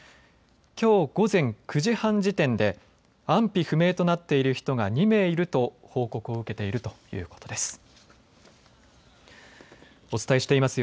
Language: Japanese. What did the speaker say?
きょう午前９時半時点で安否不明となっている人が２名いると報告を受けているということです。